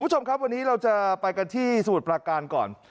คุณผู้ชมครับวันนี้เราจะไปกันที่สมุทรประการก่อน